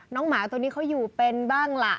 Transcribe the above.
หมาตัวนี้เขาอยู่เป็นบ้างล่ะ